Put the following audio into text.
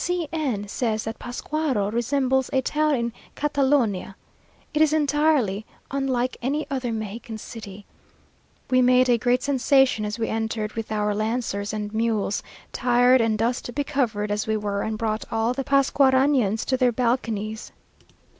C n says that Pascuaro resembles a town in Catalonia. It is entirely unlike any other Mexican city. We made a great sensation as we entered with our lancers and mules, tired and dust becovered as we were, and brought all the Pascuaranians to their balconies.